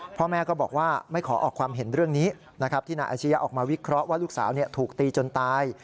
พ่อแม่ก็บอกว่าไม่ขอออกความเห็นเรื่องนี้นะครับที่นายอาชียะออกมาวิเคราะห์ว่าลูกสาวถูกตีจนตาย